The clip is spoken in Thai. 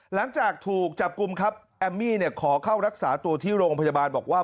หลังจากถูกจับกลุ่มครับแอมมี่เนี่ยขอเข้ารักษาตัวที่โรงพยาบาลบอกว่า